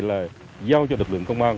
là giao cho lực lượng công an